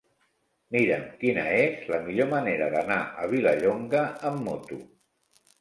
Mira'm quina és la millor manera d'anar a Vilallonga amb moto.